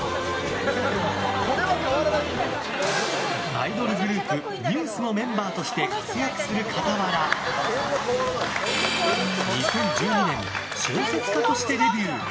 アイドルグループＮＥＷＳのメンバーとして活躍する傍ら２０１２年小説家としてデビュー。